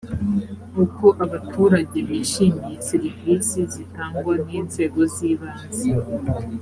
uko abaturage bishimiye serivisi zitangwa n inzego z ibanze